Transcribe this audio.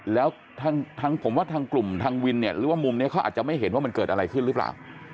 แล้วทางผมว่าทางกลุ่มทางวินเนี่ยหรือว่ามุมนี้เขาอาจจะไม่เห็นว่ามันเกิดอะไรขึ้นหรือเปล่า